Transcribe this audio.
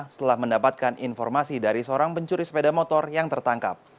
setelah mendapatkan informasi dari seorang pencuri sepeda motor yang tertangkap